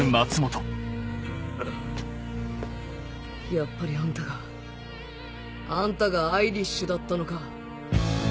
やっぱりあんたがあんたがアイリッシュだったのか。